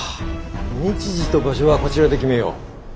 日時と場所はこちらで決めよう。